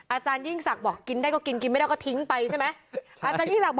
อาจารยิ่งศักดิ์บอกกินได้ก็กินกินไม่ได้ก็ทิ้งไปใช่ไหม